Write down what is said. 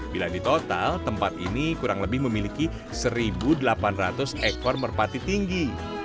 bila di total tempat ini kurang lebih memiliki satu delapan ratus ekor merpati tinggi